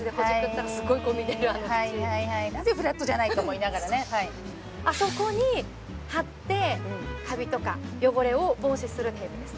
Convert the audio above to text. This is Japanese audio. はいはいはいはいと思いながらねあそこに貼ってカビとか汚れを防止するテープです